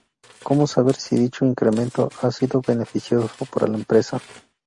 Como saber si dicho incremento ha sido beneficioso para la empresa?